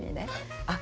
「あっ！